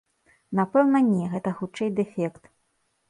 Напэўна не, гэта хутчэй дэфект.